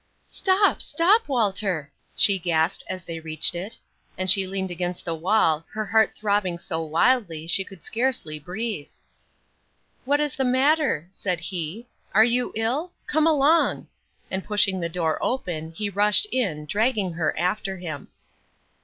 "Stop, stop, Walter," she gasped as they reached it; and she leaned against the wall, her heart throbbing so wildly she could scarcely breathe. "What is the matter?" said he, "are you ill? come along;" and pushing the door open, he rushed in, dragging her after him.